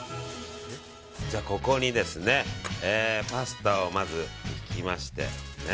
ここにですねパスタをまずいきまして。